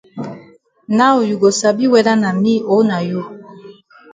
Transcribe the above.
Now you go sabi whether na me o na you.